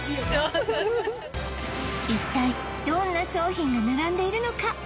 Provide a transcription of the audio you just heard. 一体どんな商品が並んでいるのか？